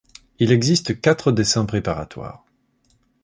Il existe quatre dessins préparatoires.